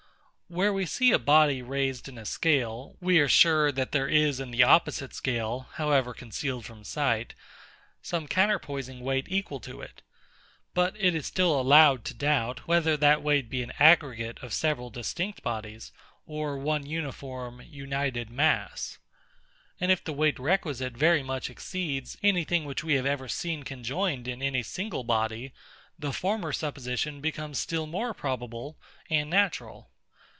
Where we see a body raised in a scale, we are sure that there is in the opposite scale, however concealed from sight, some counterpoising weight equal to it; but it is still allowed to doubt, whether that weight be an aggregate of several distinct bodies, or one uniform united mass. And if the weight requisite very much exceeds any thing which we have ever seen conjoined in any single body, the former supposition becomes still more probable and natural.